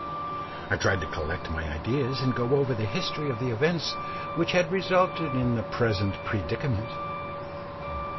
I tried to collect my ideas and go over the history of the events which had resulted in the present predicament.